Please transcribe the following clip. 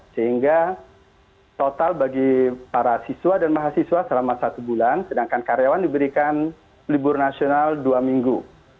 sehingga total bagi para siswa dan mahasiswa selama satu bulan sedangkan karyawan diberikan libur nasional dua minggu